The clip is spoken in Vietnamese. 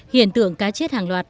hiện tượng cá chất hàng loạt